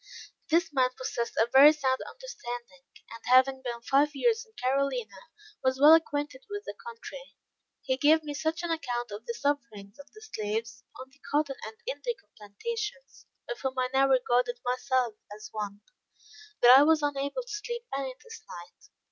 This man possessed a very sound understanding; and having been five years in Carolina, was well acquainted with the country. He gave me such an account of the sufferings of the slaves, on the cotton and indigo plantations of whom I now regarded myself as one that I was unable to sleep any this night.